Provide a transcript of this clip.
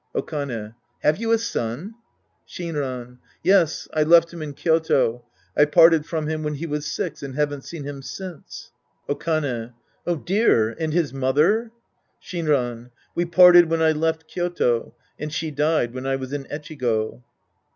Okane. Have you a son ? Shinran. Yes. I left him in Kyoto. I parted from him when he was six and haven't seen him since. Okane. Dear ! And his mother ? Shinran. We parted when I left Ky5to, and she died when I was in Echigo.